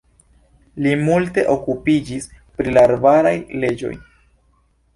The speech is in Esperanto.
Li multe okupiĝis pri la arbaraj leĝoj.